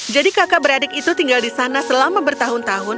jadi kakak beradik itu tinggal di sana selama bertahun tahun